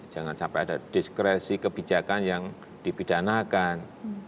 jangan sampai ada diskresi kebijakan yang dipidanakan